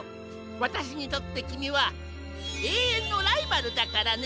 わたしにとってきみはえいえんのライバルだからね。